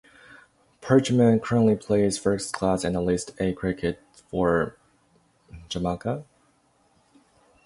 Parchment currently plays first-class and List A cricket for Jamaica.